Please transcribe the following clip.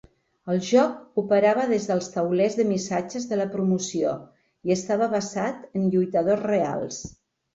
El joc operava des dels taulers de missatges de la promoció i estava basat en lluitadors reals.